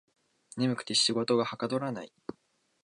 眠くて仕事がはかどらない